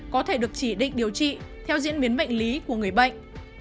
có thể được chỉ định điều trị theo diễn biến bệnh lý của người bệnh